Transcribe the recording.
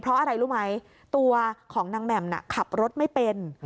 เพราะอะไรรู้ไหมตัวของนางแหม่มขับรถไม่เป็น